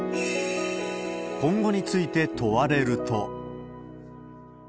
今後について問われると。